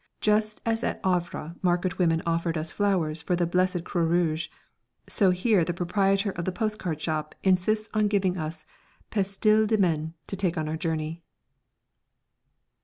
Just as at Havre market women offered us flowers "for the blessed Croix Rouge," so here the proprietor of the post card shop insists on giving us pastilles de menthe to take on our journey.